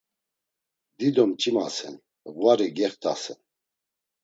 Dido ç̌imasen, ğvari gextasen.